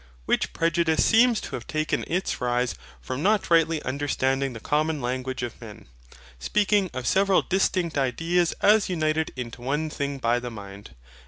Which prejudice seems to have taken its rise from not rightly understanding the common language of men, speaking of several distinct ideas as united into one thing by the mind.